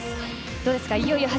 どうですか？